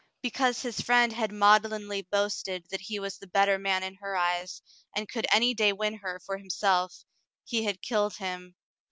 Because his friend had maudlinly boasted that he was the better man in her eyes, and could any day win her for himself, he had killed him.